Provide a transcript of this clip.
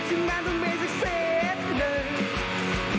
จิงแววมันจะโฟย์จิงแววมันจะสวยให้มันสวยไปด้วยกัน